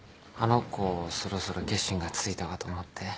あの子そろそろ決心がついたかと思って。